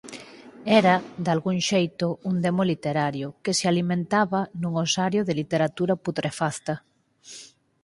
Era, dalgún xeito, un demo literario, que se alimentaba nun osario de literatura putrefacta.